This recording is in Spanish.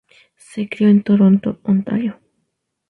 Se crió en Toronto, Ontario.